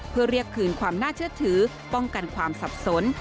เพื่อเรียกคืนความน่าเชื่อถือป้องกันความสับสน